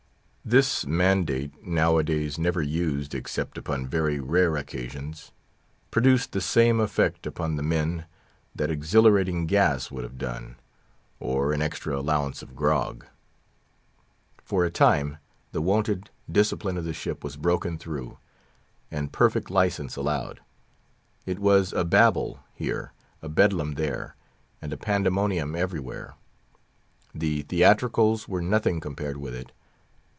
_" This mandate, nowadays never used except upon very rare occasions, produced the same effect upon the men that Exhilarating Gas would have done, or an extra allowance of "grog." For a time, the wonted discipline of the ship was broken through, and perfect license allowed. It was a Babel here, a Bedlam there, and a Pandemonium everywhere. The Theatricals were nothing compared with it.